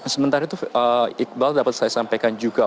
sementara itu iqbal dapat saya sampaikan juga